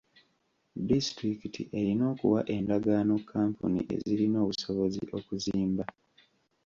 Disitulikiti erina okuwa endagaano kampuni ezirina obusobozi okuzimba.